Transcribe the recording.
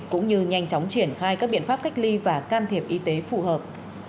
cũng như nhanh chóng triển khai các biện pháp cách ly và can thiệp y tế phù hợp